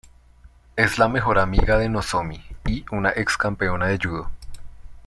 Es la mejor amiga de Nozomi y una ex-campeona de judo.